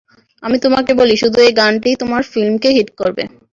আমি তোমাকে বলি, শুধু এই গানটিই তোমার ফিল্ম কে হিট করবে।